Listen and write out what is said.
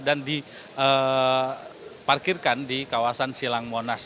dan diparkirkan di kawasan silangmonas